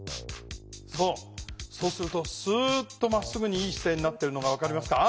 そうするとスーッとまっすぐにいい姿勢になってるのが分かりますか？